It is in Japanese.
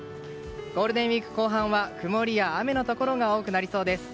ゴールデンウィーク後半は曇りや雨のところが多くなりそうです。